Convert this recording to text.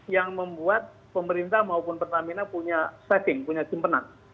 yang membuat pemerintah maupun pertamina punya saving punya simpenan